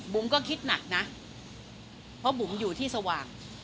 ก็คิดหนักนะเพราะบุ๋มอยู่ที่สว่าง